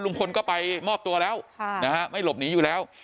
ลุงพลก็ไปมอบตัวแล้วไม่หลบหนีอยู่แล้ว